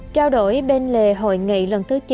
trao đổi bên lề hội nghị lần thứ chín